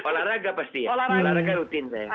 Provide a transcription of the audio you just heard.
olahraga pasti ya olahraga rutin saya